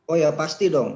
oh ya pasti dong